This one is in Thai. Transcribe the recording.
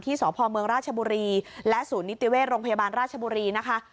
สพเมืองราชบุรีและศูนย์นิติเวชโรงพยาบาลราชบุรีนะคะ